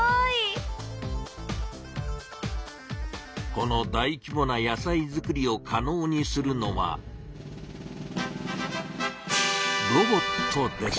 この大きぼな野菜作りをかのうにするのはロボットです。